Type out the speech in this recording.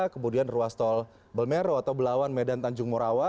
kemudian ruas tol belmero atau belawan medan tanjung morawa